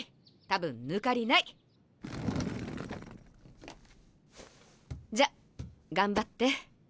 多分抜かりない！じゃ頑張って。